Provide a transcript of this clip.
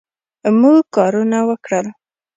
موږ کارونه وکړل